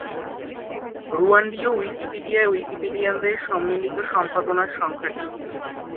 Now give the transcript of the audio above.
রুয়ান্ডীয় উইকিপিডিয়ায় উইকিপিডিয়ানদের সম্মিলিত সম্পাদনার সংখ্যা টি।